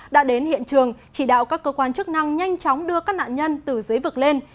đã đến hiện trường chỉ đạo các cơ quan chức năng nhanh chóng đưa các nạn nhân từ dưới vực lên